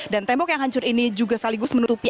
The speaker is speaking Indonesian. dan tembok yang hancur ini juga saligus menutupi